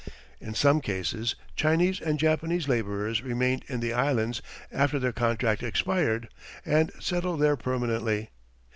In some cases, Chinese and Japanese labourers remained in the Islands after their contract expired, and settled there permanently.